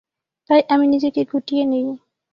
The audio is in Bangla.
তাই, আমি নিজেকে গুটিয়ে নেই।